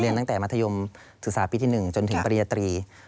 ตั้งแต่มัธยมศึกษาปีที่๑จนถึงปริญญาตรี